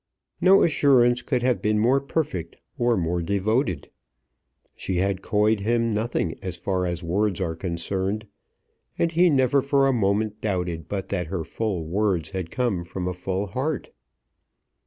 No assurance could have been more perfect, or more devoted. She had coyed him nothing as far as words are concerned, and he never for a moment doubted but that her full words had come from a full heart.